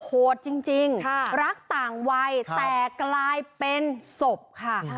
โหดจริงรักต่างวัยแต่กลายเป็นศพค่ะ